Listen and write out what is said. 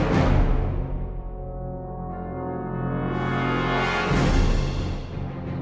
ตอนต่อไป